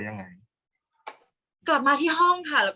กากตัวทำอะไรบ้างอยู่ตรงนี้คนเดียว